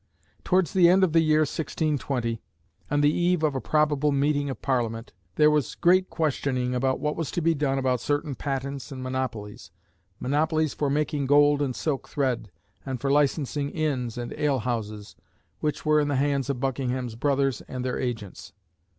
Towards the end of the year 1620, on the eve of a probable meeting of Parliament, there was great questioning about what was to be done about certain patents and monopolies monopolies for making gold and silk thread, and for licensing inns and ale houses which were in the hands of Buckingham's brothers and their agents.